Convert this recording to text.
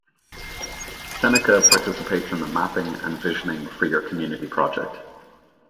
Seneca participates in the Mapping and Visioning for your Community project.